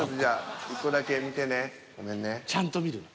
ちゃんと見るわ。